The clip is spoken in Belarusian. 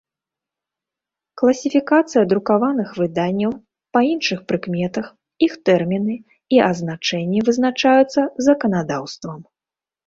Класiфiкацыя друкаваных выданняў па iншых прыкметах, iх тэрмiны i азначэннi вызначаюцца заканадаўствам.